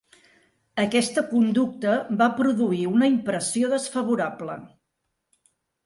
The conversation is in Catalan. Aquesta conducta va produir una impressió desfavorable.